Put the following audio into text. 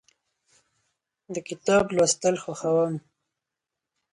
د کتاب لوستل خوښوم.